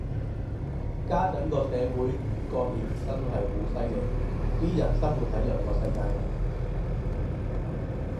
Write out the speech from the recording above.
家陣個社會割裂真係好犀利，啲人生活喺兩個世界噉